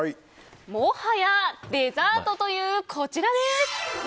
もはやデザートというこちら。